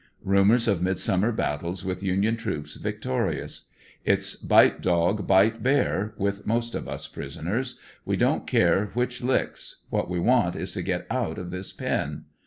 Rumors of midsummer battles with Union troops victorious. It's *'bite dog, bite bear," with most of us prisoners; we don't care which licks, what we want is to get out of this pen.